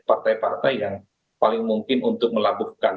partai partai yang paling mungkin untuk melabuhkan